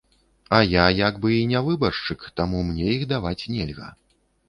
А я як бы і не выбаршчык, таму мне іх даваць нельга.